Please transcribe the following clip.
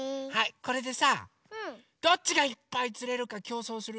これでさどっちがいっぱいつれるかきょうそうする？